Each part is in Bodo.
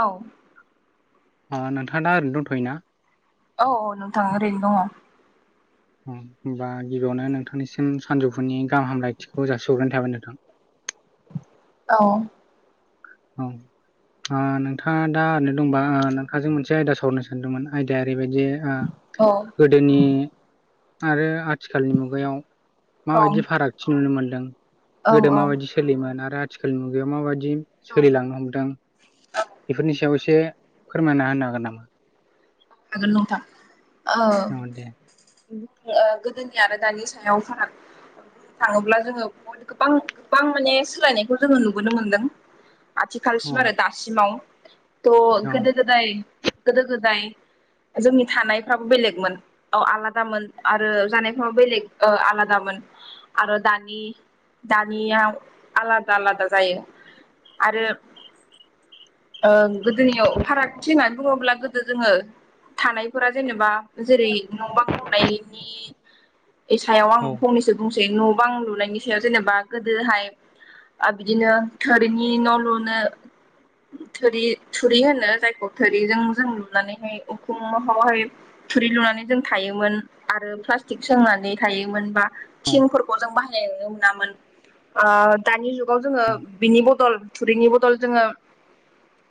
औ। आ नोंथाङा दा ओरैनो दंथ'योना? औ औ नोंथां ओरैनो दङ। हम होमबा गिबियावनो नोंथांनिसिम सानजौफुनि गाहाम हामलायथिखौ जासि हरग्रोनाय थाबाय नोंथां। [inaudible] औ। औ। ओ नोंथाङा दा ओरैनो दंबा ओ नोंथांजों मोनसे आयदा सावरायनो सानदोंमोन आयदाया ओरैबायदि ओ औ गोदोनि आरो आथिखालनि मुगायाव औ माबायदि फारागथि नुनो मोनदों औ गोदो माबायदि सोलियोमोन आरो थिखालनि मुगायाव माबायदि सोलिलांनो हमदों बेफोरनि सायाव एसे फोरमायना होनो हागोन नामा? [unintelligible] औ दे [unintelligible] ओ गोदोनि आरो दानि सायाव फाराग थाङोब्ला जोङो गोबां गोबां माने सोलायनायखौ जोङो नुबोनो मोनदों औ आथिखालसिम आरो दासिमाव त' औ गोदो गोदाय गोदो गोदाय जोंनि थानायफ्राबो बेलेगमोन औ आलादामोन आरो जानायफ्राबो बेलेग ओ आला दामोन आरो दानि दानिया आलादा आलादा जायो आरो ओं गोदोनियाव फारागथि होननानै बुङोब्ला गोदो जोङो थानायफोरा जेनेब बा जेरै न' बां लुनायनि बे सायाव औ आं फंनैसो बुंसै न' बां लुनायनि सायाव जेनेबा गोदोहाय आरो बिदिनो थोरिनि न' लुनो थोरि थुरि होनो जायखौ थोरिजों जों लुनानैहाय उखुमावहाय थुरि लुनानै जों थायोमोन आरो प्लास्टिक सोंनानै थायोमोन बा औ थिं फोरखौ जों बाहायनो मोनामोन ओ दानि जुग गाव जोङो बिनि बदल थुरिनि बदल जोङो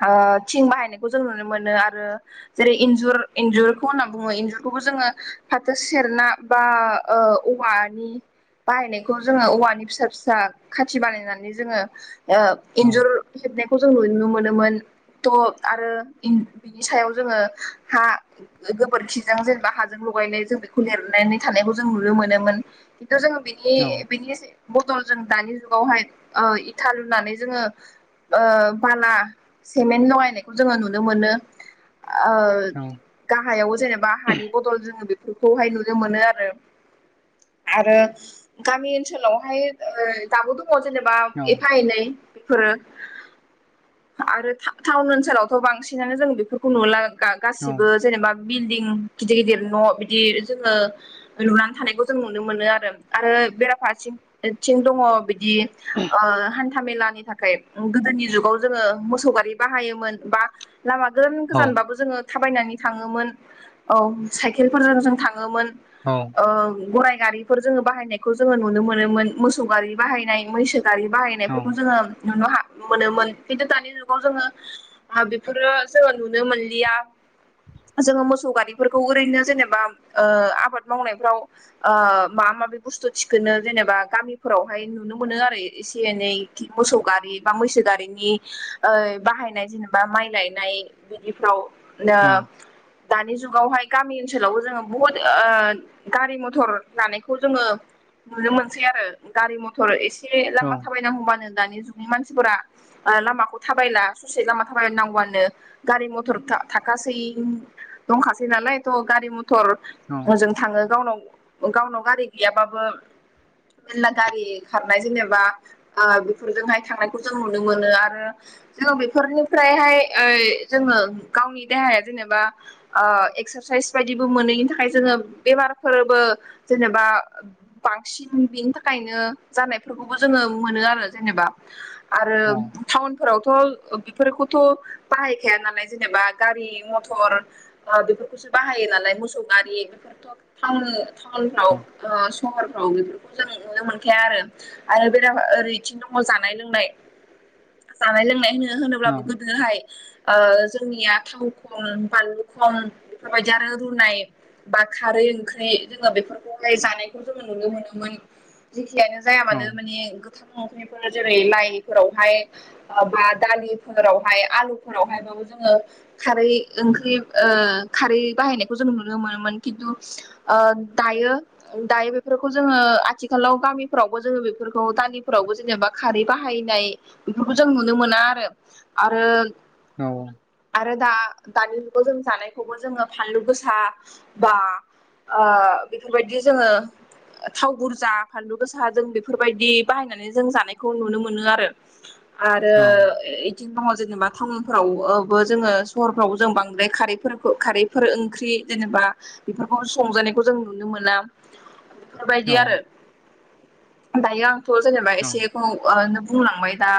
ओ थिं बाहायनायखौ जों नुनो मोनो आरो जेरै इन्जुर इन्जुरखौ होनना बुङो इन्जुरखौबो जोङो फाथो सेरना बा ओ औ औवानि बाहायनायखौ जोङो औवानि फिसा फिसा खाथि बानायनानै जोङो ओ इन्जुर हेबनायखौ जों नुनो मोनो मोन थ आरो बिनि सायाव जोङो हा गोबोरखिजों जेनेबा हाजों लगायनाय जों बेखौ लिरनानै थानायखौ जों नुनो मोनोमोन खिनथु जोंङो बेनि औ बेनि बदल जों दानि जुगावहाय ओ इथा लुनानै जोङो ओ बाला सेमेन्ट लगायनायखौ जोङो नुनो मोनो ओ औ गाहायाव जेनेबा हानि बदल जोङो बे बेखौहाय नुनो मोनो आरो आरो गामि ओनसोलावहाय ओ दाबो दं जेनेबा औ एफा ए नै बेफोरो आरो टाउन ओनसोलावथ' बांसिनानो जों बेफोरखौ नुला गा गासिबो जेनेबा बिल्डिं गिदिर गिदिर न' बिदि जोङो लुनानै थानायखौ जों नुनो मोनो आरो आरो बेराफारथिंथिं दङ बिदि ओ हान्था मेलानि थाखाय गोदोनि जुगाव जोङो मोसौ गारि बाहायोमोन बा लामा गोजान गोजान औ बाबो थाबायनानै थाङोमोन औ साइकेलफोरजों जों थाङोमोन ओ गराय गारिफोर जों बाहायनायखौ जोंङो नुनो मोनोमोन मोसौ गारि बाहायनाय मैसो गारि बाहायनायफोरखौ जोङो नुनो मोनोमोन खिन्थु दानि जुगाव जोङो बेफोरो जोङो नुनो मोन गैया जोङो मोसौ गारिफोरखौ ओरैनो जेनेबा आबाद मावनायफ्राव माबा माबि बुस्थु थिखोनो जेनेबा गामिफोरावहाय नुनो मोनो आरो एसे एनै मोसौ गारि बा [inaudible] [inaudible] औ दानि जुगावहाय गामि ओनसोलावबो जोङो बुहुद गारि मथर लानायखौ जोङो नुनो मोनसै आरो गारि मथर एसे औ लामा थाबायन हौबानो दानि जुगनि मानसिफोरा लामाखौ थाबायला सुइसेट लामा थाबाय नांगौआनो गारि मथर [unintelligible] थाखासै दंखासै नालाय थ' गारि मथर जों थाङो गावनाव गावनाव गारि गैयाबाबो मेरला गारि खारनाय जेनेबा आ बेफोरजोंहाय थांनायखौ जों नुनो मोनो आरो जोङो बेफोरनिफ्रायहाय ओइ जोङो गावनि देहाया जेनेबा ओ एक्सारसाइस बायदिबो मोनैनि थाखाय जोङो बेमारफोरबो जेनेबा बांसिन बेनि थाखायनो जानायफोरखौबो जोङो मोनो आरो जेनबा नेबा आरो टाउनफोरावथ' बेफोरखौथ' बाहायखाया नालाय जेनेबा गारि मथर ओ बेफोरखौसो बाहायो नालाय मोसौ गारि बेफोरथ' टाउन टाउनफ्राव ओ सहर फ्राव बेफोरखौ जों नुनो मोनखाया आरो। आरो बेरा ओरैथिनो दङ जानाय लोंनाय जानाय लोंनाय होनो-होनोब्लाबो गोदोहाय ओ रुनिया थाव खम बानलु खम बेफोरबायदि आरो रुनाय बा खारै ओंख्रि जोङो बेफोरखौहाय जानायखौ जोङो नुनो मोनोम। जेखियानो जाया मानो माने गोथां ओंख्रिफोर जेरै लाइफोरावहाय बा दालिफोरावहाय आलुफोरावहाय बा जोङो खारै ओंख्रि ओ खारै बाहायनायखौ जों नुनो मोनोमोन। किन्तु ओ दायो दायो बेफोरखौ जोङो आथिखालाव गामिफोरावबो जोङो बेफोरखौ दालिफोरावबो जेनेबा खारै बाहायनाय बेफोरखौ जों नुनो मोना आरो। आरो औ। आरो दा दानि जुगाव जों जानायखौबो जोङो फानलु गोसा बा ओ बेफोरबायदि जोङो थाव बुरजा फानलु गोसा जों बेफोरबायदि बाहायनानै जों जानायखौ नुनो मोनो आरो। आरो इदिनो दङ जेनेबा टाउनफोराव ओ बो जोङो सहरफोरावबो जों बांद्राय खारैफोरखो खारैफोर ओंख्रि जेनेबा बेफोरखौ संजानाय खौ जों नुनो मोना। बेफोरबायदि आरो। दायो आंथ' जेनेबा एसेखौ ओ बुंलांबाय दा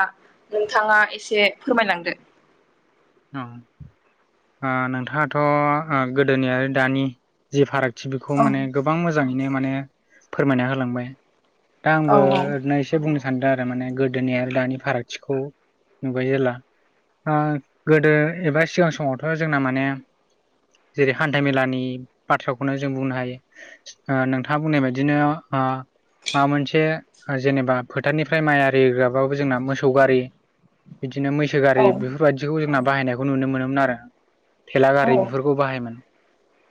नोंथाङा एसे फोरमायलांदो। ओं ओ नोंथाङाथ' ओ गोदोनि दानि जि फाराग दि बिखौ औ माने गोबां मोजाङैनो माने फोरमायना होलांबाय। दा औ आंबो ओरैनो एसे बुंनो सान्दो आरो माने गोदोनि आरो दानि फारागथिखौ नुबाय जेला आ गोदो एबा सिगां समावथ' जोंना माने जेरै हान्था मेलानि बाथ्राखौनो जों बुंनो हायो। ओ नोंथाङा बुं आ माबा मोनसे ओ जेनेबा फोथारनिफ्राय माइ आरि रोगाबाबो जोंना मोसौ गारि बिदिनो मैसो गारि बेफोरबायदिखौ जोंना बाहायनायखौ नुनो मोनोमोन आरो। थेला गारि बेफोरखौ बाहायोमोन।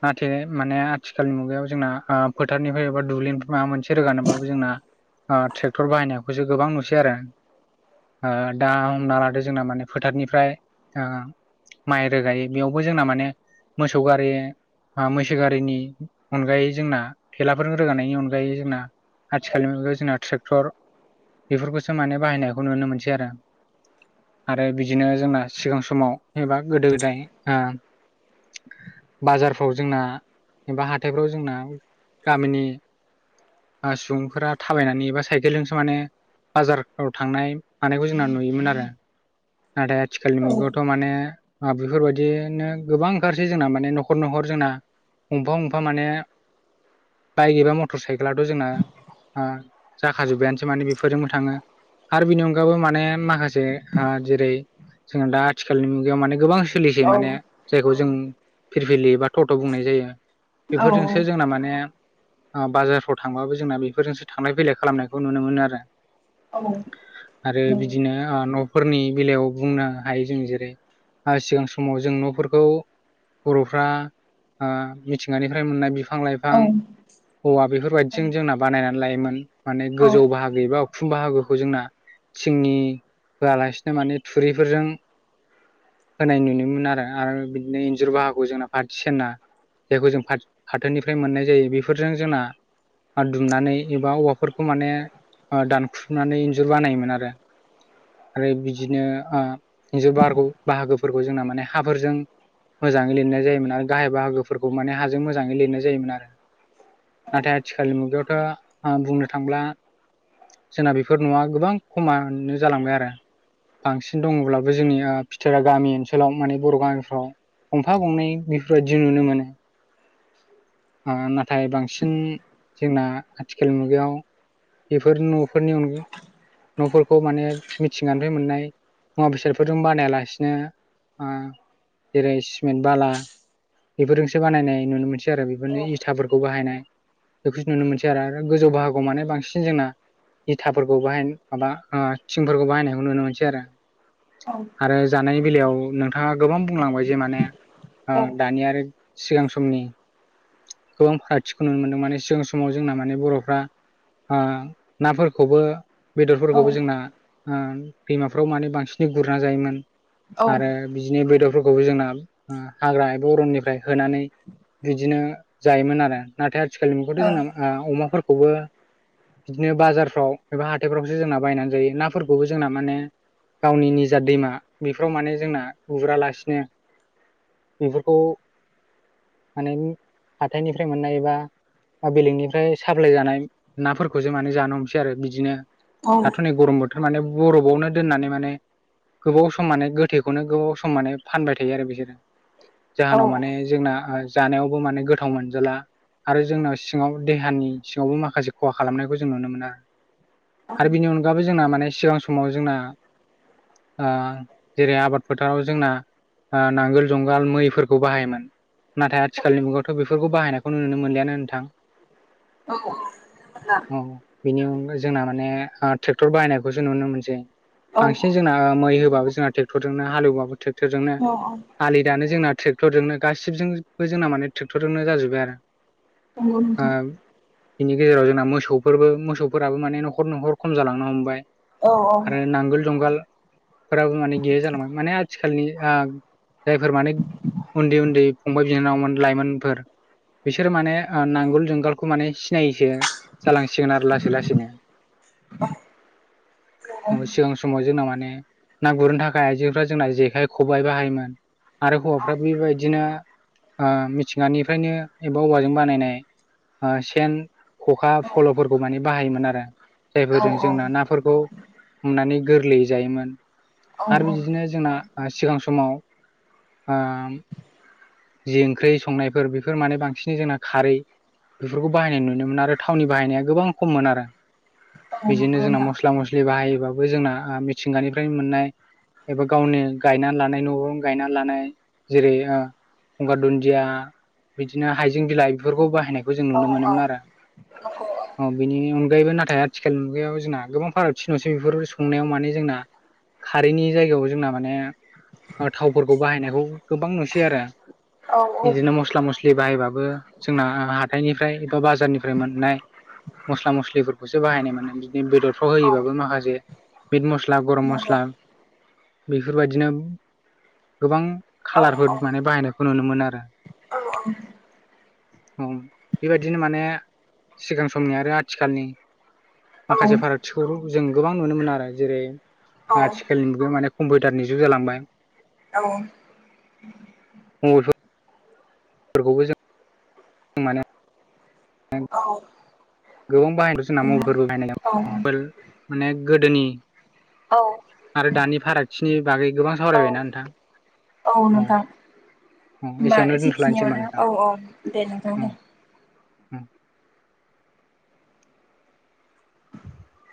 नाथाय माने आथिखालनि मुगायाव जोंना ओ फोथारनिफ्राय एबा दुब्लिनिफ्राय माबा मोनसे रोगानोबाबो जोंना ओ ट्रेक्टर बाहायनाय बेखौसो गोबां नुसै आरो। ओ दा हमना लादो जोंना माने फोथारनिफ्राय ओ माइ रोगायो बेयावबो जोंना माने मोसौ गारि आ मैसो गारिनि अनगायै जोंना थेलाफोर रोगानायनि अनगायै जोंना आथिखालनि मुगायाव जोंना ट्रेक्टर बेफोरखौसो माने बाहायनायखौ नुनो मोनसै आरो। आरो बिदिनो जोंना सिगां समाव एबा गोदो गोदाय आ [inaudible] बाजारफ्राव जोंना एबा हाथायफ्राव जोंना गामिनि ओ सुबुंफोरा थाबायनानै एबा साइकेलजोंसो माने बाजाफ्राव थांनाय मानायखौ जोंना नुयोमोन आरो। नाथाय आथिखालनि मुगायावथ' माने आ बेफोरबायदिनो गोबां ओंखारसै जोंना माने न'खर न'खर जोंना गंफा गंफा माने बाइक एबा मटर साइकेलाथ' जोंना आ जाखाजोब्बायानोसै माने बेफोरजोंबो थाङो। आरो बिनि अनगाबो माने माखासे आ जेरै जोंहा दा आथिखालनि मुगायाव माने गोबां सोलिसै माने जायखौ जों फिरफिलि बा थट' बुंनाय जायो बेफोरजोंसो जोंना माने ओ बाजारफ्राव थांबाबो जोंना बेफोरजोंसो थांलाय फैलाय खालामनायखौ नुनो मोनो आरो आरो बिदिनो ओ न'फोरनि बेलायाव बुंनो हायो जों जेरै सिगां समाव जों न'फोरखौ बर'फ्रा ओ मिथिंगानिफ्राय मोननाय बिफां औ हौवा बेफोरबायदिजों जोंना बानायनानै लायोमोन माने गोजौ बाहागो एबा उखुम बाहागोखौ जोंना थिंनि होआलासिनो माने थुरिफोरजों होनाय नुनो मोनोन आरो आरो बिदिनो इन्जुर बाहाखौ जोंना फारथि सिना जायखौ जों फाथ फाथोनिफ्राय मोननाय जायो बेफोरजों जोंना दुमनानै एबा औवाफोरखौ माने ओ दानख्रुमनानै इन्जुर बानायोमोन आरो आरो बिदिनो ओ इन्जुर बारग बाहागोफोरखौ जोंना माने हाफोरजों मोजाङै लिरनाय जायोमोन आरो गाहाय बाहागोफोरखौ माने हाजों मोजाङै लिरनाय जायोमोन आरो नाथाय आथिखालनि मुगायावथ' ओं बुंनो थांब्ला जोंना बेफोर न'आ गोबां खमानो जालांबाय आरो बांसिन दङब्लाबो जोंनि फिथेरा गामि ओनसोलाव माने बर' गामिफ्राव गंफा गंनै बेफोरबायदि नुनो मोनो ओ नाथाय बांसिन जोंना आथिखालनि मुगायाव बेफोर नुफोरनि अनगा न'फोरखौ माने मिथिगानिफ्राय मोननाय मुवा बेसादफोरजों बानायालासिनो ओ जेरै सिमेन्ट बाला बेफोरजोंसो बानायनाय नुनो मोनसै आरो बेफोरनो इथाफोरखौ बाहायनाय बेखौसो नुनो मोनसै आरो गोजौ बाहागोआव माने बांसिन जोंना इथाफोरखौ बाहाय माबा थिंफोरखौ बाहायनायखौ नुनो मोनसै आरो औ आरो जानायनि बेलायाव नोंथाङा गोबां बुंलांबाय जे माने ओ दानि आरो सिगां समनि गोबां फारागथिखौ नुनो मोनदों माने सिगां समाव जोंना माने बर'फ्रा ओ नाफोरखौबो बेदरफोरखौबो जोंना ओ दैमाफ्राव माने बांसिनै गुरना जायोमोन आरो बिदिनो बेदरफोरखौ खौबो जोंना हाग्रा एबा अरननिफ्राय होनानै बिदिनो जायोमोन आरो नाथाय आथिखालनि मुगायावथ ओ जोंना अमाफोरखौबो बिदिनो बाजारफ्राव एबा हाथाइफ्रावसो जोंना बायनानै जायो नाफोरखौबो जोंना माने गावनि निजा दैमा बेफोराव माने जोंना उरालासिनो बेफोरखौ माने हाथायनिफ्राय मोननाय एबा बेलेगनिफ्राय साप्लाय जानाय नाफोरखौसो माने जानो हमसै आरो बिदिनो दाथ' नै गरम बोथोर माने बरफआवनो दोननानै माने गोबाव सम माने गोथैखौनो गोबाव सम माने फानबाय थायो आरो बिसोरो जाहोनाव माने जोंना जानायावबो माने गोथाव मोनजाला आरो जोंना सिङाव देहानि सिङावबो माखासे खहा खालामनायखौ जों नुनो मोनो आरो आरो बिनि अनगाबो जोंना माने सिगां समाव जोंना ओ जेरै आबाद फोथाराव जोंना ओ नांगोल जुंगाल मैफोरखौ बाहायोमोन नाथाय आथिखालनि मुगायाव थ' बिफोरखौ बाहायनायखौ नुनो मोनलियानो नोंथां। औ औ। बिनि अनगाय जोंना माने ट्रेक्टर बाहायनायखौसो नुनो मोनसै औ बांसिन जोंना मै हो जों ट्रेक्टरजोंनो हालेवबाबो ट्रेटरजोंनो नंगौ आलि दानो जोंना ट्रेक्टरजोंनो गासिबो जोंबो जोंना माने ट्रेक्टरजोंनो जाजोब्बाय आरो नोंगौ नोथां। ओ बिनि गेजेराव जोंना मोसौफोरबो मोसौफोराबो माने न'खर न'खर खम जालांनो हमबाय। औ औ आरो नांगोल जुगाल फोराबो माने गैया जालांबाय माने आथिखालनि ओ जायफोर माने उन्दै उन्दै फंबाय बिनानावमोन लाइमोनफोर बिसोरो माने ओ नांगोल जुंगालखौ माने सिनायैसो जालांसिगोन आरो लासै लासैनो। औ। औ [inaudible] सिगां समाव जोंना माने ना गुरनो थाखाय आइजोफ्रा जोंना जेखाइ खबाइ बाहायोमोन। आरो हौवाफ्रा बेबायदिनो ओ मिथिंगानिफ्रायनो एबा औवाजों बानायनाय ओ सेन, ख'खा, नंगौ फल'फोरखौ माने बाहायोमोन आरो। जायफोरजों औ जोंना नाफोरखौ हमनानै गोरलैयै जायोमोन। आरो बिदिनो जोंना सिगां समाव ओ जि ओंख्रै संनायफोर बेफोर माने बांसिनै जोंना खारै बेफोरखौ बाहायनाय नुनो मोन आरो थावनि बाहायनाया गोबां खममोन आरो। बिदिनो जोंना मस्ला मस्लि बाहायोबाबो जोंना मिथिंगानिफ्रायनो मोननाय एबा गावनि गायना लानाय न'नो गायना लानाय जेरै ओ गंगार दुन्दिया बिदिनो हाइजें बिलाइ बिफोरखौ बाहायनायखौ जों नुनो मोनोमोन आरो। [inaudible] अ बिनि अनगायैबो नाथाय आथिखाल मुगायाव जोंना गोबां फारागथि नुसै बेफोर संनायाव माने जोंना खारैनि जायगायाव जोंना माने ओ थावफोरखौ बाहायनायखौ गोबां नुसै आरो। इदिनो मस्ला मसलि बाहायबा बो जोंना हाथाइनिफ्राय बा बाजारनिफ्राय मोननाय। मस्ला मस्लिफोरखौसो बाहायनाय मोनो बिदिनो बेदरफ्राव होयोबाबो माखासे मिट मस मस्ला गरम मस्ला बेफोरबायदिनो गोबां औ खालारफोर माने बाहायनायखौ नुनो मोनो आरो। औ औ। औ बेबायदिनो माने सिगां समनि आरो आथिखालनि माखासे फारागथिखौ जों गोबां नुनो मोनो आरो जेरै आथिखालनिबो माने कम्पिउटारनि जुग जालांबाय। औ। [unintelligible] फोरखौबो जों [unintelligible] औ। गोबां बाहायदों मबेलफोरबो बाहायनाय माने गोदोनि आरो दानि फारागथिनि बागै गोबां सावरायबाय ना नोंथां औ नोंथां । होमबा एसेयावनो दोनथ'लायनोसै ओमबा एसेखिनियावनो नोंथां। औ औ दे नोंथां दे।